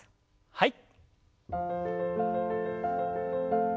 はい。